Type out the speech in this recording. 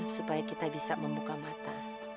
supaya kita bisa membuka mata